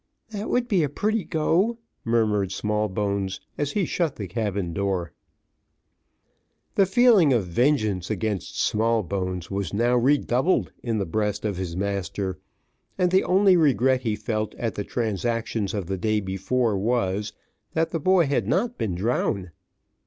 "That would be a pretty go," murmured Smallbones, as he shut the cabin door. The feeling of vengeance against Smallbones, was now redoubled in the breast of his master; and the only regret he felt at the transactions of the day before was, that the boy had not been drowned.